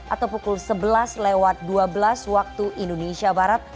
atau pukul sebelas lewat dua belas waktu indonesia barat